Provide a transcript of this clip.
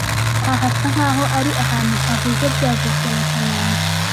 Aha hasa nkaho ari ahantu hahuze byavuzwe na kamanzi